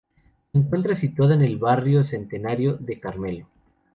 Se encuentra situada en el Barrio Centenario de Carmelo.